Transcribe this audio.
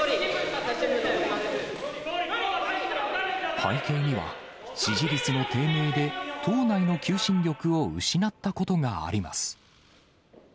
背景には支持率の低迷で党内の求心力を失ったことがあります。